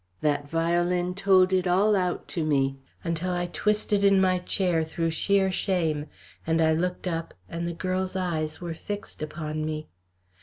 That violin told it all out to me, until I twisted in my chair through sheer shame, and I looked up and the girl's eyes were fixed upon me.